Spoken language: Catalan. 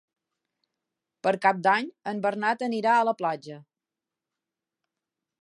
Per Cap d'Any en Bernat anirà a la platja.